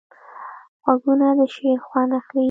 غوږونه د شعر خوند اخلي